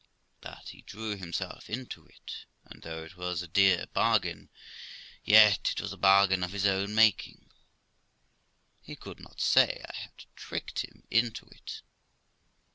But he drew himself into it, and though it was a dear bargain, yet it was a bargain of his own making; he could not say I had tricked him into it.